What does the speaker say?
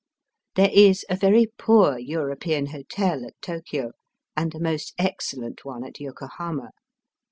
There is a very poor European hotel at Tokio, and a most excellent one at Yoko hama.